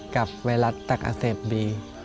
กับไวรัสตักอเศษบี